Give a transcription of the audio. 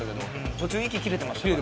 途中息切れてましたから。